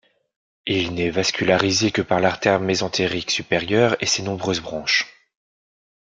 Il n'est vascularisé que par l'artère mésentérique supérieure et ses nombreuses branches.